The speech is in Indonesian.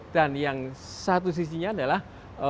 dan yang satu sisinya adalah